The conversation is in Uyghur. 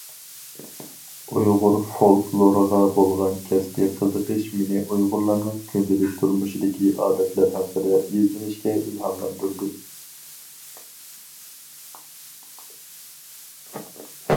ئۇيغۇر فولكلورىغا بولغان كەسپى قىزىقىش مېنى ئۇيغۇرلارنىڭ كۈندىلىك تۇرمۇشىدىكى ئادەتلەر ھەققىدە ئىزدىنىشكە ئىلھاملاندۇردى.